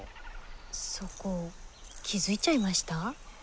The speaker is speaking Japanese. そこ気付いちゃいました？